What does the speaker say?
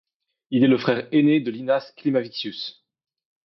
Il est le frère ainé de Linas Klimavičius.